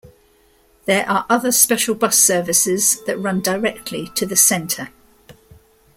There are other special bus services that run directly to the Centre.